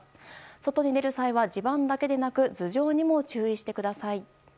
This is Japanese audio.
外に出る際は地盤だけでなく頭上にも注意してください。